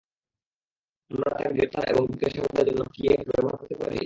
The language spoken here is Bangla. আমরা তাকে গ্রেফতার এবং জিজ্ঞাসাবাদের জন্যে কি এটা ব্যবহার করতে পারি?